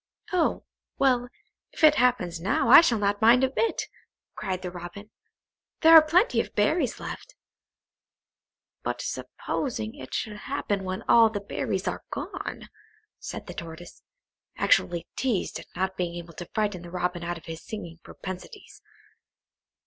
"Oh, well, if it happens now, I shall not mind a bit," cried the Robin; "there are plenty of berries left!" "But supposing it should happen when all the berries are gone?" said the Tortoise, actually teased at not being able to frighten the Robin out of his singing propensities.